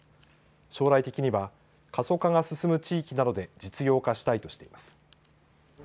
将来的には過疎化が進む地域などで実用化したいとしています。